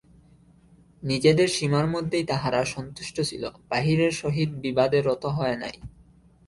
নিজেদের সীমার মধ্যেই তাহারা সন্তুষ্ট ছিল, বাহিরের সহিত বিবাদে রত হয় নাই।